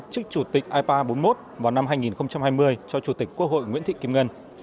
chức chủ tịch ipa bốn mươi một vào năm hai nghìn hai mươi cho chủ tịch quốc hội nguyễn thị kim ngân